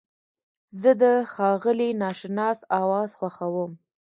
زه د ښاغلي ناشناس اواز خوښوم.